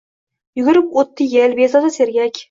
Yugurib oʻtdi yel – bezovta, sergak.